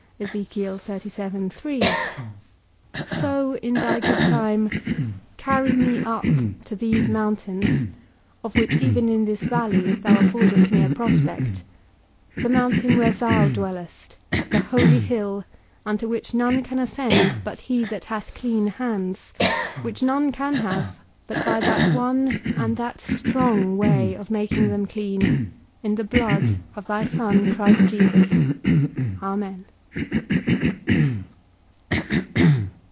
_ so, in thy good time, carry me up to these mountains of which even in this valley thou affordest me a prospect, the mountain where thou dwellest, the holy hill, unto which none can ascend but he that hath clean hands, which none can have but by that one and that strong way of making them clean, in the blood of thy Son Christ Jesus. Amen.